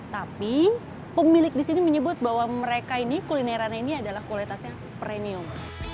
tapi pemilik di sini menyebut bahwa mereka ini kulineran ini adalah kualitasnya premium